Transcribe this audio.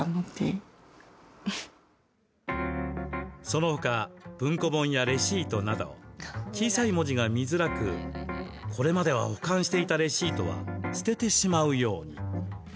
そのほか、文庫本やレシートなど小さい文字が見づらくこれまでは保管していたレシートは捨ててしまうように。